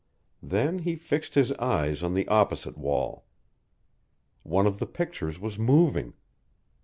Then he fixed his eyes on the opposite wall. One of the pictures was moving.